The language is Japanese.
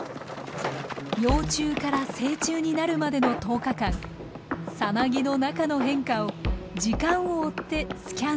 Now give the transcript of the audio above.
幼虫から成虫になるまでの１０日間蛹の中の変化を時間を追ってスキャンしていきます。